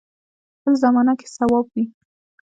بل زمانه کې صواب وي.